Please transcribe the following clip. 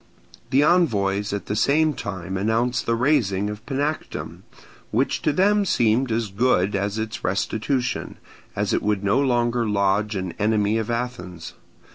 The envoys at the same time announced the razing of Panactum, which to them seemed as good as its restitution, as it would no longer lodge an enemy of Athens.